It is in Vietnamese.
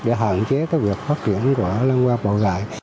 để hạn chế việc phát triển của lan qua bầu gại